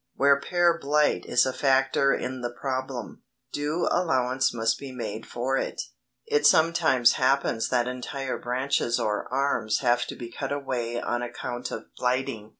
Where pear blight is a factor in the problem, due allowance must be made for it. It sometimes happens that entire branches or arms have to be cut away on account of blighting.